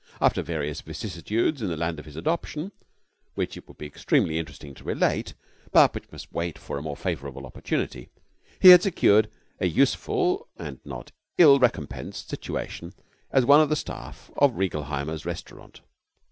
After various vicissitudes in the land of his adoption which it would be extremely interesting to relate, but which must wait for a more favourable opportunity he had secured a useful and not ill recompensed situation as one of the staff of Reigelheimer's Restaurant.